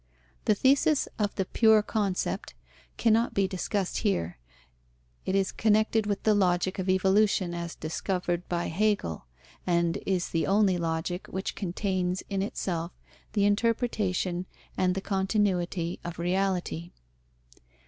The thesis of the pure concept cannot be discussed here. It is connected with the logic of evolution as discovered by Hegel, and is the only logic which contains in itself the interpretation and the continuity of reality.